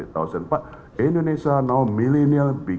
tapi di indonesia sekarang milenial menjadi